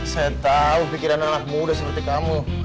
saya tahu pikiran anak muda seperti kamu